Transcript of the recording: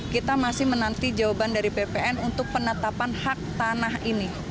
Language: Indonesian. kita masih menanti jawaban dari bpn untuk penetapan hak tanah ini